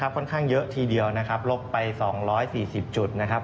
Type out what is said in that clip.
ค่อนข้างเยอะทีเดียวนะครับลบไป๒๔๐จุดนะครับ